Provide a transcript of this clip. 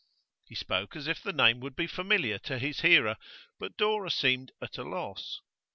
He spoke as if the name would be familiar to his hearer, but Dora seemed at a loss.